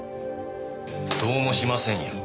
どうもしませんよ。